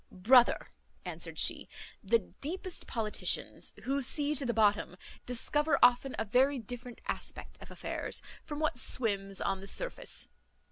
"Brother," answered she, "the deepest politicians, who see to the bottom, discover often a very different aspect of affairs, from what swims on the surface.